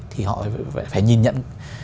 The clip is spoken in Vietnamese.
thì họ phải nhìn nhận